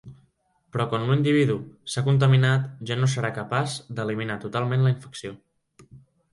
Però quan un individu s'ha contaminat ja no serà capaç d'eliminar totalment la infecció.